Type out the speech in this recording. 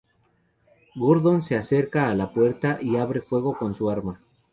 Gordon se acerca a la puerta y abre fuego con su arma.